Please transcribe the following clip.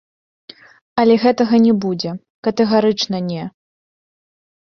Але гэтага не будзе, катэгарычна не.